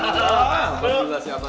masak dulu siapa